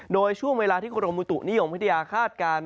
โดยช่วงเวลาที่กรมบุตุนิยมวิทยาคาดการณ์